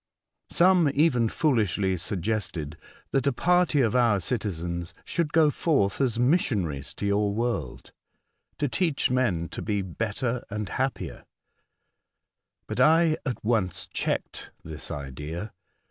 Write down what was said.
Some even foolishly suggested that a party of our citizens should go forth as missionaries to vour world to teach men to be better and happier ; but I at once checked this idea.